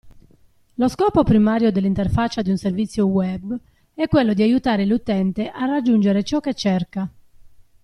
Lo scopo primario dell'interfaccia di un servizio web è quello di aiutare l'utente a raggiungere ciò che cerca.